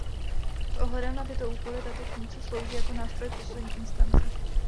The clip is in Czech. S ohledem na tyto úkoly tato funkce slouží jako nástroj poslední instance.